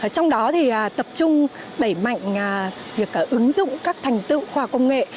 trong đó thì tập trung đẩy mạnh việc ứng dụng các thành tựu khoa học công nghệ